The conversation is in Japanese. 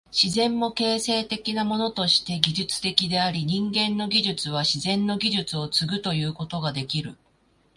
自然も形成的なものとして技術的であり、人間の技術は自然の技術を継ぐということができる。